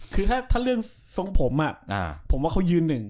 คือถ้าเรื่องทรงผมผมว่าเขายืนหนึ่ง